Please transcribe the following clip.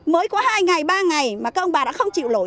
mới có hai ngày ba ngày mà các ông bà đã không chịu lỗi